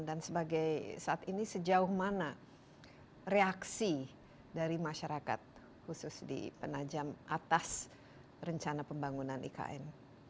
dan sebagai saat ini sejauh mana reaksi dari masyarakat khusus di penajam atas rencana pembangunan ikn